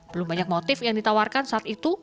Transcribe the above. belum banyak motif yang ditawarkan saat itu